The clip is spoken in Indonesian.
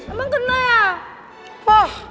emang kena ya